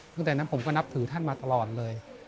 ตั้งแต่นั้นผมก็นับถือท่านมาตลอดเลย